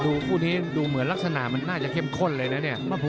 คู่นี้ดูเหมือนลักษณะมันน่าจะเข้มข้นเลยนะเนี่ย